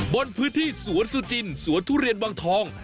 บนพื้นที่สวนสุจินสวนทุเรียนวังทอง